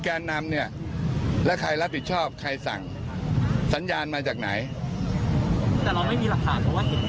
แต่เราไม่มีหลักฐานเพราะว่าเห็นการส่งสัญญาณที่เป็นมิวประธาน